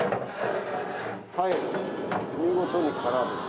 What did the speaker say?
はい見事に空です。